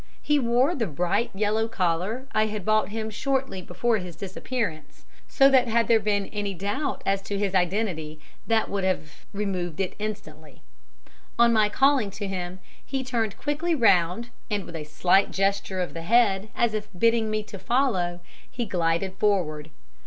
He wore the bright yellow collar I had bought him shortly before his disappearance, so that had there been any doubt as to his identity that would have removed it instantly. On my calling to him, he turned quickly round and, with a slight gesture of the head as if bidding me to follow, he glided forward.